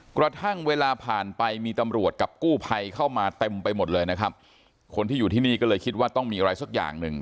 กระทั่งเวลาผ่านไปมีตำรวจกับกู้ภัยเข้ามาเต็มไปหมดเลยนะครับคนที่อยู่ที่นี่ก็เลยคิดว่าต้องมีอะไรสักอย่างหนึ่ง